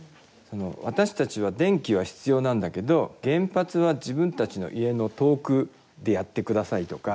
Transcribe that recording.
私たちは電気は必要なんだけど原発は自分たちの家の遠くでやってくださいとか。